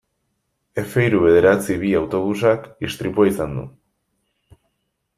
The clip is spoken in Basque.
Efe hiru bederatzi bi autobusak istripua izan du.